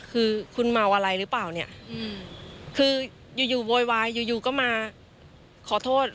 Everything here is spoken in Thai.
คือคุณเมาอะไรหรือเปล่าเนี่ยคืออยู่อยู่โวยวายอยู่อยู่ก็มาขอโทษ